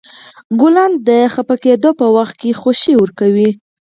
ګلان د خفګان په وخت خوښي ورکوي.